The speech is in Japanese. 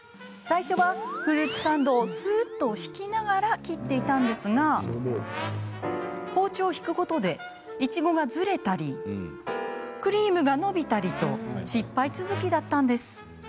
最初はフルーツサンドをスッと引きながら切っていたんですが包丁を引くことでいちごがズレたりクリームがのびたりと失敗続きだったんです。